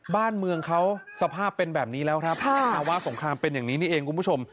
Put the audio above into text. บ้านเมืองเขาสภาพเป็นแบบนี้แล้วครับภาวะสงครามเป็นอย่างนี้นี่เองคุณผู้ชม